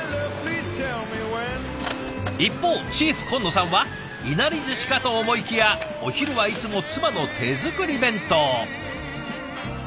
一方チーフ金野さんはいなりずしかと思いきやお昼はいつも妻の手作り弁当。